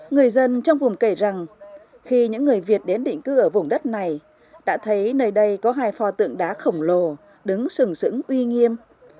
người dân trong vùng kể rằng khi những người việt đến định cư ở vùng đất này đã thấy nơi đây có hai phò tượng đá khổng lồ đứng sửng sững uy nghiêm